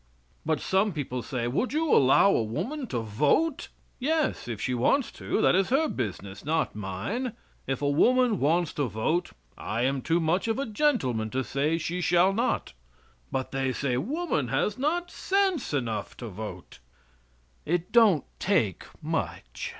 But some people say: "Would you allow a woman to vote?" Yes, if she wants to; that is her business, not mine. If a woman wants to vote, I am too much of a gentleman to say she shall not. But, they say, woman has not sense enough to vote. It don't take much.